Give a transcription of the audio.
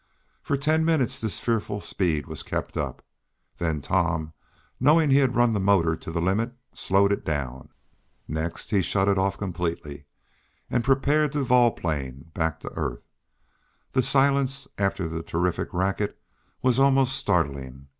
For ten minutes this fearful speed was kept up. Then Tom, knowing he had run the motor to the limit, slowed it down. Next he shut it off completely, and prepared to volplane back to earth. The silence after the terrific racket was almost startling.